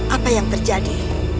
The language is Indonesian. apa yang terjadi